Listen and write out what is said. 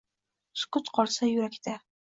Sukut qolsa yuraqda